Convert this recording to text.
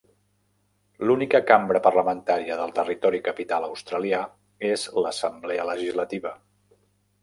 L'única cambra parlamentària del territori capital australià és l'assemblea legislativa.